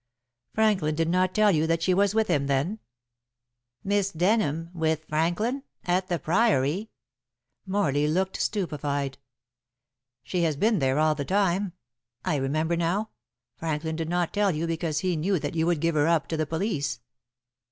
"Franklin did not tell you that she was with him, then?" "Miss Denham with Franklin at the Priory?" Morley looked stupefied. "She has been there all the time. I remember now. Franklin did not tell you, because he knew that you would give her up to the police."